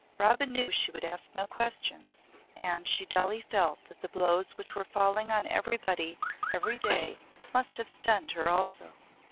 Robin knew she would ask no questions and she dully felt that the blows which were falling on everybody every day must have stunned her also.